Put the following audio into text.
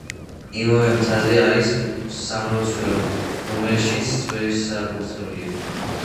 იმავე მთაზე არის სამლოცველო, რომელშიც ძველი საკურთხეველია.